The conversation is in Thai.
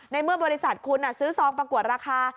ในเมื่อบริษัทคุณซื้อซองประกวดราคา